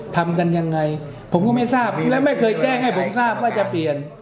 ทำกันยังไงผมก็ไม่ทราบและไม่เคยแจ้งให้ผมทราบว่าจะเปลี่ยน